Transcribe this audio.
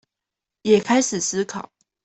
也開始思考